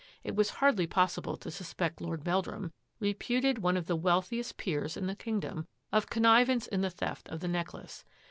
It was hardly possible pect Lord Meldrum, reputed one of the wee^ peers in the Kingdom, of connivance in th^ of the necklace.